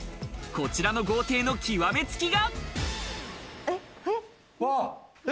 こちらの豪邸の極め付きが。